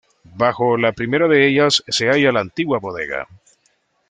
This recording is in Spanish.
Bajo la primera de ellas se halla la antigua bodega.